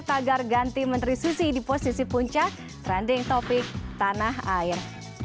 tagar ganti menteri susi di posisi puncak trending topic tanah air